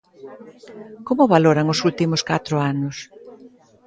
Como valoran os últimos catro anos?